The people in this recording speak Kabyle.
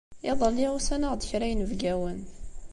Iḍelli, usan-aɣ-d kra n yinebgawen.